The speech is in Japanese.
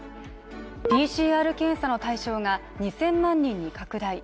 ＰＣＲ検査の対象が２０００万人に拡大。